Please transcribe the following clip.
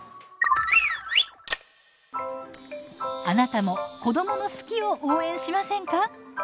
あなたも子どもの「好き」を応援しませんか？